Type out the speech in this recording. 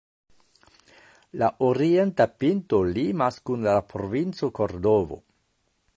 La orienta pinto limas kun la Provinco Kordovo.